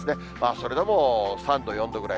それでも３度、４度ぐらい。